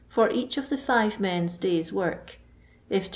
for each of the five men's day's work ; if 2s.